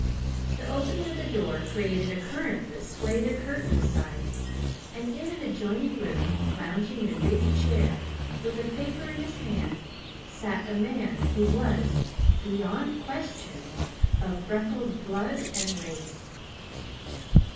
The opening of the door created a current that swayed a curtain aside, and in an adjoining room, lounging in a big chair, with a paper in his hand, sat a man who was, beyond question, of Freckles' blood and race.